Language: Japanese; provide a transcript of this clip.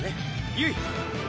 ゆい！